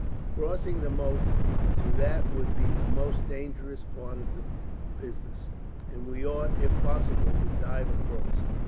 Crossing the moat to that would be the most dangerous part of the business, and we ought, if possible, to dive across.